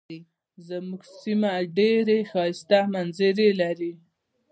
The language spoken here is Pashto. زمونږ سیمه ډیرې ښایسته منظرې لري.